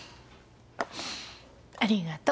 ありがと。